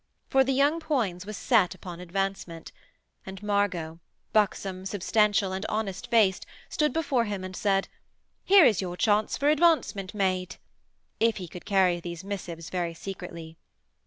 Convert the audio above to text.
For the young Poins was set upon advancement, and Margot, buxom, substantial and honest faced, stood before him and said: 'Here is your chance for advancement made ...' if he could carry these missives very secretly.